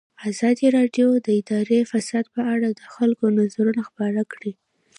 ازادي راډیو د اداري فساد په اړه د خلکو نظرونه خپاره کړي.